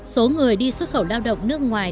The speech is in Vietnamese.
số người đi xuất khẩu lao động nước ngoài